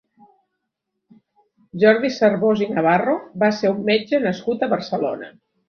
Jordi Cervós i Navarro va ser un metge nascut a Barcelona.